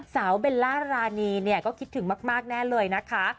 เบลล่ารานีเนี่ยก็คิดถึงมากแน่เลยนะคะ